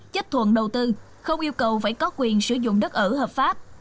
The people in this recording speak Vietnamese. chấp thuận đầu tư không yêu cầu phải có quyền sử dụng đất ở hợp pháp